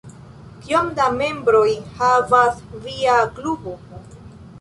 Kiom da membroj havas via klubo?